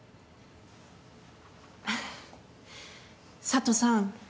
佐都さん